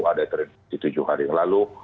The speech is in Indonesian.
ada yang terinfeksi tujuh hari yang lalu